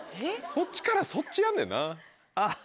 そっちからそっちやんねんな。